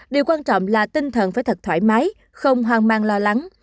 điều quan trọng là tinh thần phải thật thoải mái không hoang mang lo lắng